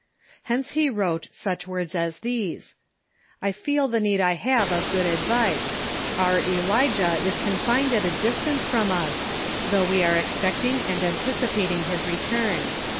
Hence he wrote such words as these :" I feel the need I have of good advice. Our Elijah is confined at a distance from us, though we are expecting and anticipating his return.